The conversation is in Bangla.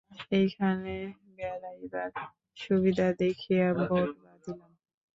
এইখানে বেড়াইবার সুবিধা দেখিয়া বোট বাঁধিলাম।